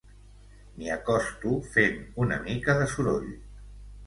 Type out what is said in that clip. M'hi acosto, fent una mica de soroll.